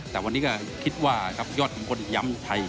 แต่วันนี้ก็คิดว่าครับยอดขุมพลย้ำไทย